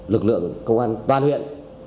lực lượng công an toàn huyện